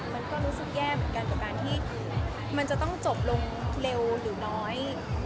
มันก็รู้สึกแย่เหมือนกันกับการที่มันจะต้องจบลงเร็วหรือน้อย